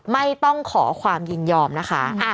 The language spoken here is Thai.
ไม่ต้องขอความยินยอมนะคะ